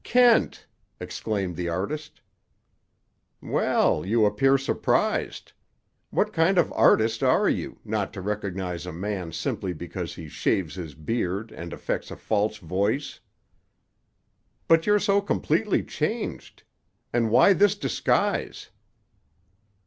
"Kent!" exclaimed the artist. "Well, you appear surprised. What kind of artist are you, not to recognize a man simply because he shaves his beard and affects a false voice?" "But you're so completely changed. And why this disguise?"